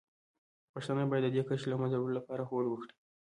پښتانه باید د دې کرښې د له منځه وړلو لپاره هوډ ولري.